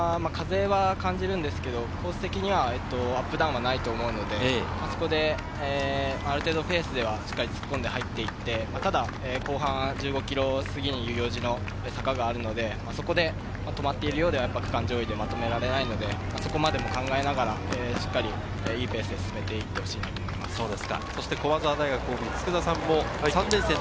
最初の直線は風は感じるんですが、コース的にはアップダウンはないと思うので、そこである程度のペースではしっかり突っ込んで入っていって、ただ後半１５ｋｍ過ぎの遊行寺の坂があるのでそこで止まっているようで、区間順位でまとめられないので、そこも考えながら、しっかりいいペースで進めていってほしいと思います。